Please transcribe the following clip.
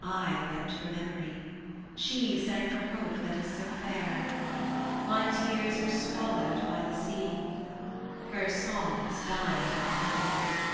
I wept for memory; She sang for hope that is so fair: My tears were swallowed by the sea; Her songs died on the air.